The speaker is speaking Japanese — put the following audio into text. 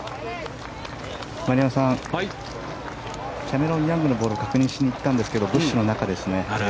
丸山さんキャメロン・ヤングのボールを確認しに行ったんですがブッシュの中ですね。